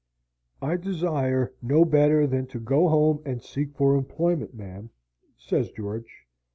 "I desire no better than to go home and seek for employment, ma'am," says George.